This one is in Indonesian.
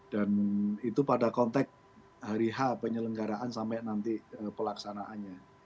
dan itu pada konteks hari h penyelenggaraan sampai nanti pelaksanaannya